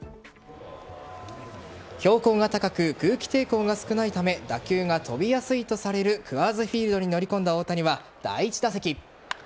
標高が高く空気抵抗が少ないため打球が飛びやすいとされるクアーズフィールドに乗り込んだ大谷は第１打席。